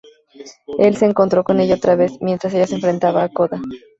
Él se encontró con ella otra vez, mientras ella se enfrentaba a Coda.